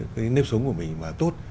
cái nếp sống của mình mà tốt